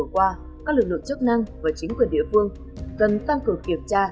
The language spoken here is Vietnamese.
qua các lực lượng chức năng và chính quyền địa phương cần tăng cường kiểm tra